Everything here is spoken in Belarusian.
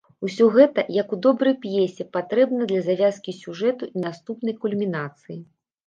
Усё гэта, як у добрай п'есе, патрэбна для завязкі сюжэту і наступнай кульмінацыі.